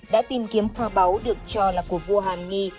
đã tìm kiếm khoa báu được cho là của vua hàm nghi